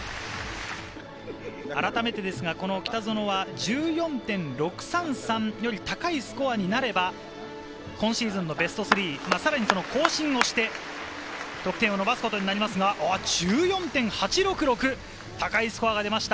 改めて北園は１４．６３３より高いスコアになれば、今シーズンのベスト３、さらに更新をして得点を伸ばすことになります。１４．８６６、高いスコアが出ました。